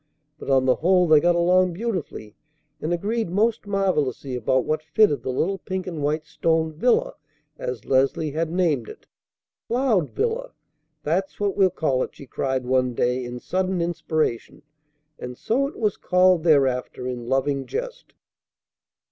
But on the whole they got along beautifully, and agreed most marvellously about what fitted the little pink and white stone "villa," as Leslie had named it. "'Cloud Villa,' that's what we'll call it," she cried one day in sudden inspiration; and so it was called thereafter in loving jest.